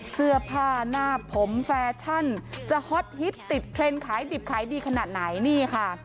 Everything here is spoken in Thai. เสื้อผ้าหน้าผมแฟชั่นจะฮอตฮิตติดเทรนด์ขายดิบขายดีขนาดไหนนี่ค่ะ